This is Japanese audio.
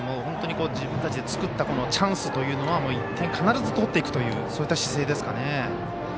自分たちで作ったチャンスというのは１点必ず取っていくというそういう姿勢ですかね。